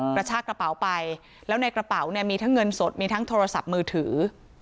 กระชากระเป๋าไปแล้วในกระเป๋าเนี่ยมีทั้งเงินสดมีทั้งโทรศัพท์มือถือ